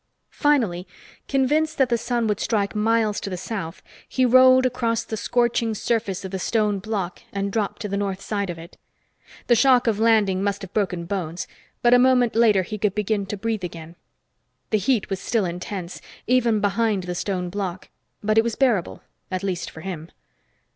Finally, convinced that the sun would strike miles to the south, he rolled across the scorching surface of the stone block and dropped to the north side of it. The shock of landing must have broken bones, but a moment later he could begin to breathe again. The heat was still intense, even behind the stone block, but it was bearable at least for him.